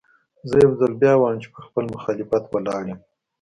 زه يو ځل بيا وايم چې پر خپل مخالفت ولاړ يم.